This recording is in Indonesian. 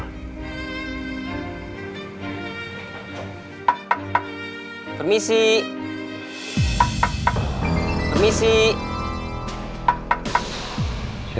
karena jtik molang